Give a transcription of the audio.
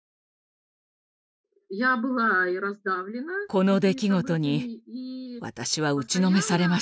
この出来事に私は打ちのめされました。